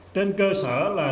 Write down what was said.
trên cơ sở là